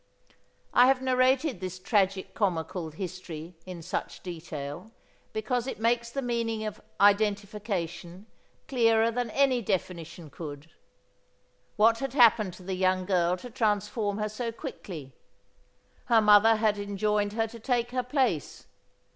I have narrated this tragic comical history in such detail because it makes the meaning of "Identification" clearer than any definition could. What had happened to the young girl to transform her so quickly? Her mother had enjoined her to take her place.